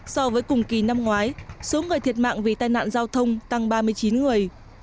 so với cùng kỳ năm ngoái số người thiệt mạng vì tai nạn giao thông tăng ba mươi chín người